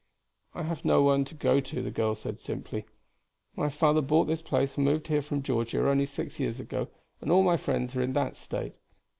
"I have no one to go to," the girl said simply. "My father bought this place and moved here from Georgia only six years ago, and all my friends are in that State.